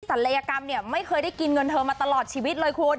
ลัยกรรมเนี่ยไม่เคยได้กินเงินเธอมาตลอดชีวิตเลยคุณ